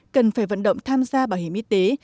cần phải vận động tham gia bảo hiểm y tế